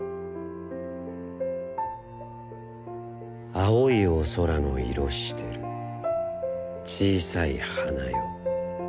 「青いお空の色してる、小さい花よ、よくおきき。